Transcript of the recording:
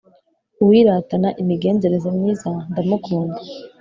uwiratana imigenzereze myiza ndamukunda